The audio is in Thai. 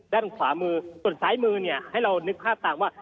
ด้านขวามือส่วนซ้ายมือเนี่ยให้เรานึกภาพตามว่า